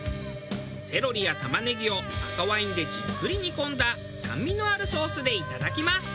セロリや玉ねぎを赤ワインでじっくり煮込んだ酸味のあるソースでいただきます。